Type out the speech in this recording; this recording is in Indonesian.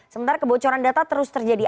sementara kebocoran data terus terjadi